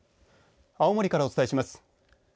青森からお伝えします。